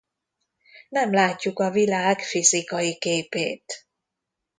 Nem látjuk a világ fizikai képét.